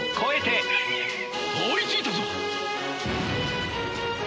追いついたぞ！